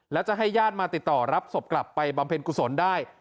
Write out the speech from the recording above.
แล้วจะให้ญาติมาติดต่อรับศพกลับไปบำเพ็ญกุศลได้